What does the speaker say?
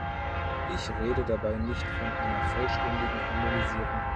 Ich rede dabei nicht von einer vollständigen Harmonisierung.